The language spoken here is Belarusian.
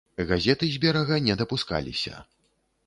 Газеты з берага не дапускаліся.